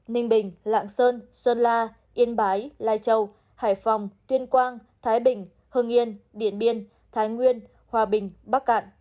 ninh bình lạng sơn sơn la yên bái lai châu hải phòng tuyên quang thái bình hương yên điện biên thái nguyên hòa bình bắc cạn